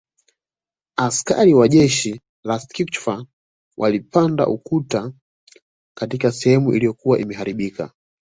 Askari wa jeshi la Schutztruppe walipanda ukuta katika sehemu uliyokuwa imeharibika